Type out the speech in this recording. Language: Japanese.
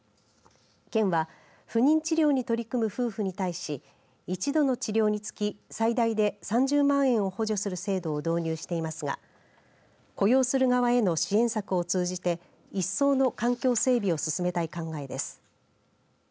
県は、不妊治療に取り組む夫婦に対し、１度の治療につき最大で３０万円を補助する制度を導入していますが雇用する側への支援策を通じて一層の環境整備を進めたい考えです。